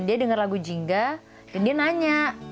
dia dengar lagu jingga dan dia nanya